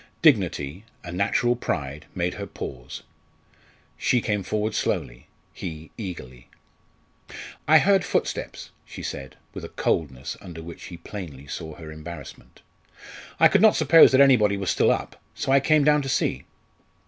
Dignity a natural pride made her pause. She came forward slowly he eagerly. "I heard footsteps," she said, with a coldness under which he plainly saw her embarrassment. "I could not suppose that anybody was still up, so I came down to see."